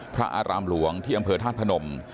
พระอารามหลวงที่อำเภอธาตุพนม